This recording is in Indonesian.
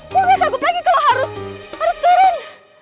kok udah sagup lagi kalo harus turun